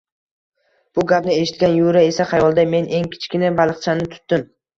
Bu gapni eshitgan Yura esa xayolida: – Men eng kichkina baliqchani tutdim